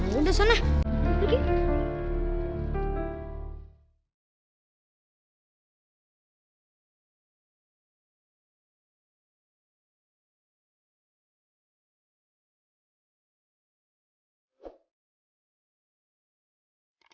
ya udah sana pergi